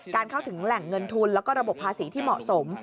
เข้าถึงแหล่งเงินทุนแล้วก็ระบบภาษีที่เหมาะสม